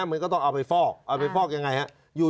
มันก็ต้องเอาไปฟอกเอาไปฟอกอย่างไรครับ